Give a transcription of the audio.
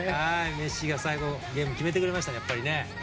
メッシが最後ゲームを決めてくれました、やっぱりね。